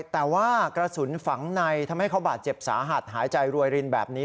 แต่ว่ากระสุนฝังในทำให้เขาบาดเจ็บสาหัสหายใจรวยรินแบบนี้